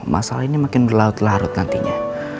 masalah ini makin berlarut larut nantinya